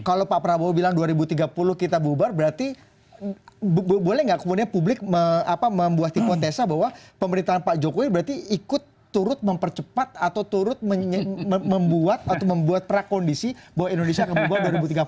kalau pak prabowo bilang dua ribu tiga puluh kita bubar berarti boleh nggak kemudian publik membuat hipotesa bahwa pemerintahan pak jokowi berarti ikut turut mempercepat atau turut membuat atau membuat prakondisi bahwa indonesia akan membawa dua ribu tiga puluh empat